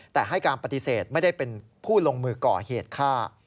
แต่ให้การปฏิเสธไม่ได้เป็นผู้ลงมือก่อเหตุฆ่า